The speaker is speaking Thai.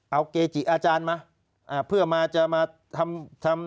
เอาเกจิอาจารย์มาเพื่อมาจะมาทำทำ